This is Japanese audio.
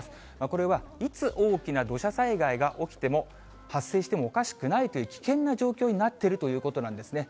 これは、いつ大きな土砂災害が起きても発生してもおかしくないという危険な状況になっているということなんですね。